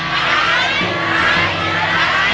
ใช้ใช้ใช้